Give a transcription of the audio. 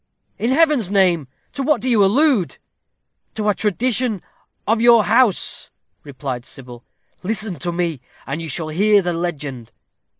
"In Heaven's name! to what do you allude?" "To a tradition of your house," replied Sybil. "Listen to me, and you shall hear the legend."